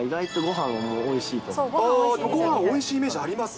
ごはんおいしいイメージあります。